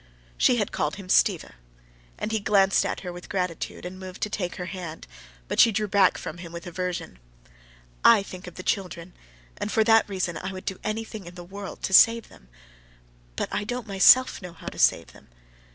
She had called him "Stiva," and he glanced at her with gratitude, and moved to take her hand, but she drew back from him with aversion. "I think of the children, and for that reason I would do anything in the world to save them, but I don't myself know how to save them.